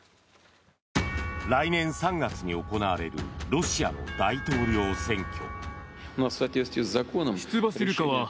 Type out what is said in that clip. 来年３月に行われるロシアの大統領選挙。